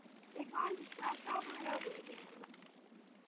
They grind this brass over and over again.